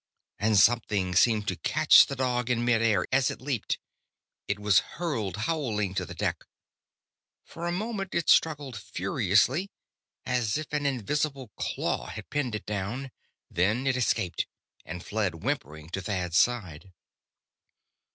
And something seemed to catch the dog in mid air, as it leaped. It was hurled howling to the deck. For a moment it struggled furiously, as if an invisible claw had pinned it down. Then it escaped, and fled whimpering to Thad's side.